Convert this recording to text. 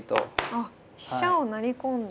あっ飛車を成り込んで。